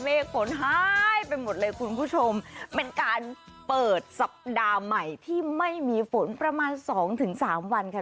ฝนหายไปหมดเลยคุณผู้ชมเป็นการเปิดสัปดาห์ใหม่ที่ไม่มีฝนประมาณสองถึงสามวันค่ะ